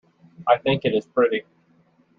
I think it is pretty.